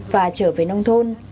và trở về nông thôn